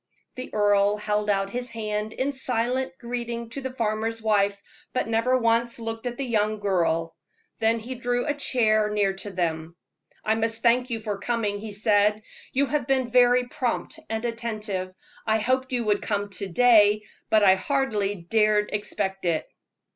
The earl held out his hand in silent greeting to the farmer's wife, but never once looked at the young girl. Then he drew a chair near to them. "I must thank you for coming," he said. "You have been very prompt and attentive. I hoped you would come to day, but I hardly dared expect it."